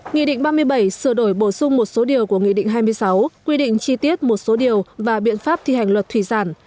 nghị định ba mươi bảy sửa đổi bổ sung một số điều của nghị định hai mươi sáu quy định chi tiết một số điều và biện pháp thi hành luật thủy sản